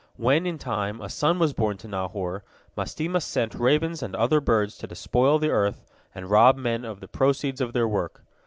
When, in time, a son was born to Nahor, Mastema sent ravens and other birds to despoil the earth and rob men of the proceeds of their work.